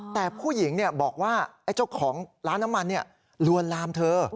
แต่ผู้หญิงบอกว่าไอ้เจ้าของร้านน้ำมันลวนลามเธอ